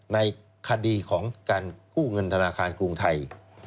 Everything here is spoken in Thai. ในคดีของการกู้เงินธนาคารกรุงไทย